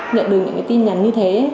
nhận được những cái tin nhắn như thế